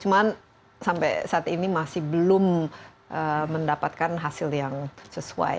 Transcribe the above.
cuman sampai saat ini masih belum mendapatkan hasil yang sesuai